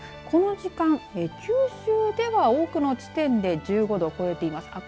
この時間、九州では多くの地点で１５度を超えています。